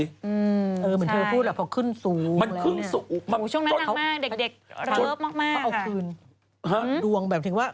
เหมือนเธอพูดระโพกขึ้นสูง